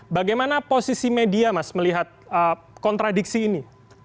bagaimana posisi media mas melihat kontradiksi ini